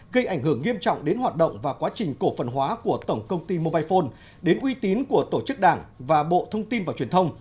gây ảnh hưởng nghiêm trọng đến hoạt động và quá trình cổ phần hóa của tổng công ty mobile phone đến uy tín của tổ chức đảng và bộ thông tin và truyền thông